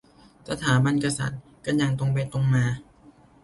สถาบันกษัตริย์ กันอย่างตรงไปตรงมา